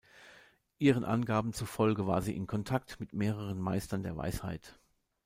Ihren Angaben zufolge war sie in Kontakt mit mehreren Meistern der Weisheit.